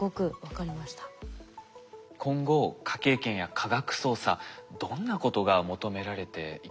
今後科警研や科学捜査どんなことが求められていきますか？